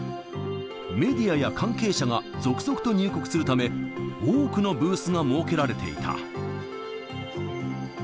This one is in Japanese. メディアや関係者が続々と入国するため、多くのブースが設けられていた。